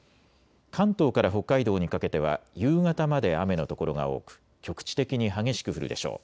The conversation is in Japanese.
関東から北海道にかけては夕方まで雨の所が多く局地的に激しく降るでしょう。